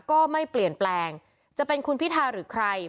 ก็ไม่เปลี่ยนแปลงจะเป็นคุณพิทาหรือใคร